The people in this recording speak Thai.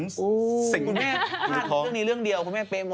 เพราะแม่ง่าของเรื่องนี้เรื่องเดียวเพราะแม่ง่าเป๊หมด